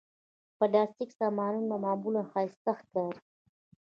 پلاستيکي سامانونه معمولا ښايسته ښکاري.